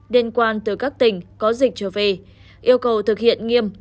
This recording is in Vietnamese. liên quan từ các tỉnh có dịch trở về yêu cầu thực hiện nghiêm